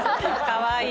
かわいい。